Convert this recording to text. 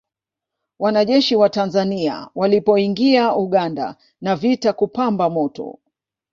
Wanajeshi wa Tanzania walipoingia Uganda na vita kupamba moto